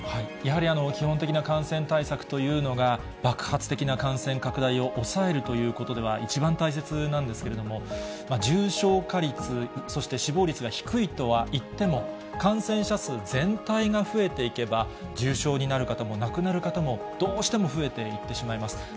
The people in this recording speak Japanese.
やはり基本的な感染対策というのが、爆発的な感染拡大を抑えるということでは、一番大切なんですけれども、重症化率、そして死亡率が低いとはいっても、感染者数全体が増えていけば、重症になる方も、亡くなる方も、どうしても増えていってしまいます。